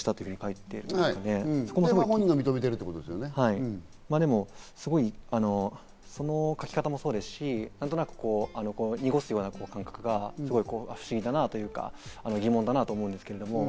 って本人が認めているというその書き方もそうですし、なんとなく濁すような感じが、不思議だなというか疑問だなと思うんですけど。